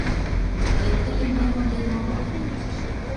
Вет тыйым мый монден омыл...